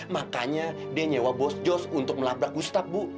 makanya dia nyewa bos jus untuk melabrak gustaf ibu